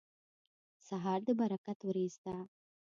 سهار د برکت وریځ ده.